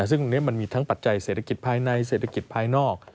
ซึ่งตรงนี้มันมีทั้งปัจจัยเศรษฐกิจภายในเศรษฐกิจภายนอก